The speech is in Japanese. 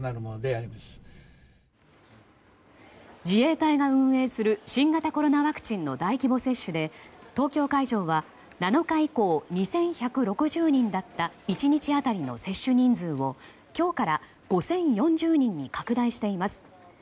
自衛隊が運営する新型コロナワクチンの大規模接種で東京会場は７日以降２１６０人だった１日当たりの接種人数を今日から５０４０人に拡大しています。